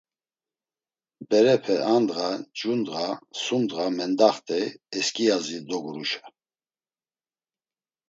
Berepe a ndğa, cu ndğa, sum ndğa mendaxt̆ey eskiyazi doguruşa.